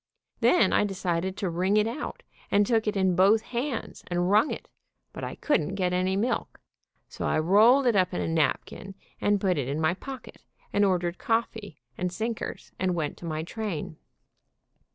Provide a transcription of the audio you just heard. Then I decided to wring it out, and took it in both hands and wrung it, but I couldn't get any milk, so I rolled it up in a napkin and put it in my pocket, and or dered coffee and sinkers, and went to my train.